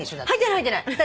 入ってない。